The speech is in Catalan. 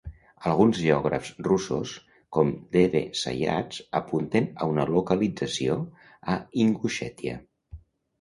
Alguns geògrafs russos, com D. V. Zayats, apunten a una localització a Ingushetia.